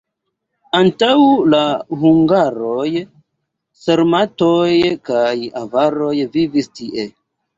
Antaŭ la hungaroj sarmatoj kaj avaroj vivis tie.